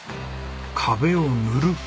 壁を塗る？